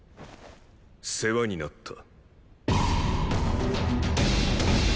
世話になった。